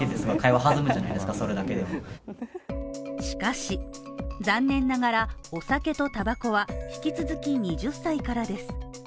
しかし、残念ながらお酒とタバコは引き続き２０才からです。